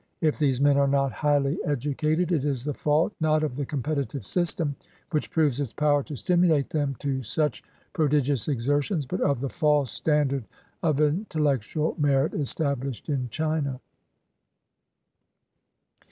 If these men are not highly educated, it is the fault, not of the competitive system, which proves its power to stimulate them to such pro digious exertions, but of the false standard of intellectual merit established in China.